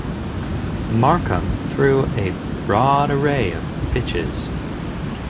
Marcum threw a broad array of pitches.